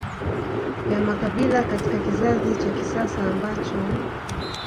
ya makabila katika kizazi cha kisasa ambacho